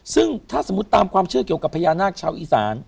ซึ่งถ้าสมมุติตามความเชื่อเกี่ยวกับพญานาคชาวอีสาน